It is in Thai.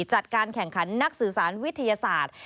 จัดการแข่งขันนักสื่อสารวิทยาศาสตร์